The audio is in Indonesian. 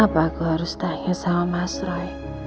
apa aku harus tanya sama mas roy